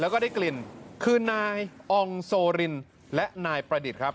แล้วก็ได้กลิ่นคือนายอองโซรินและนายประดิษฐ์ครับ